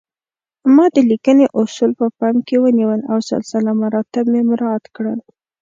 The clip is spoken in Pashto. ما د لیکنې اصول په پام کې ونیول او سلسله مراتب مې مراعات کړل